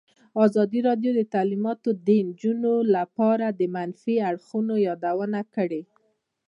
ازادي راډیو د تعلیمات د نجونو لپاره د منفي اړخونو یادونه کړې.